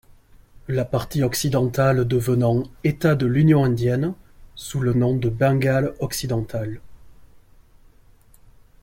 La partie occidentale devenant État de l'Union indienne, sous le nom de Bengale-Occidental.